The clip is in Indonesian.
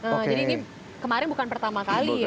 jadi kemarin bukan pertama kali ya